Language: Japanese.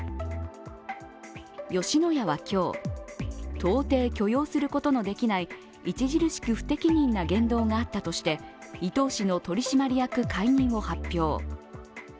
吉野家は今日、到底許容することのできない著しく不適任な言動があったとして伊東氏の取締役解任を発表。